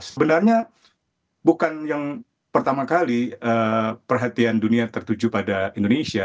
sebenarnya bukan yang pertama kali perhatian dunia tertuju pada indonesia